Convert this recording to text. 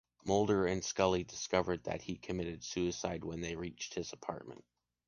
Mulder and Scully discovered that he committed suicide when they reached his apartment.